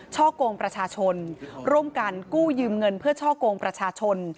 กงประชาชนร่วมกันกู้ยืมเงินเพื่อช่อกงประชาชน